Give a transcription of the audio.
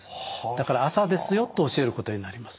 だから朝ですよと教えることになります。